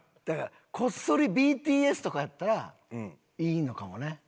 だからこっそりＢＴＳとかやったらいいのかもね。